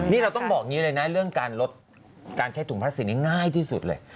นี่เราต้องบอกอย่างนี้เลยนะเรื่องการลดการใช้ถุงพลาสติกนี้ง่ายที่สุดเลย